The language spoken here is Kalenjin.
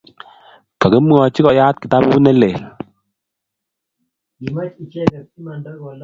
kakimwochi koyat kitabut ne lel.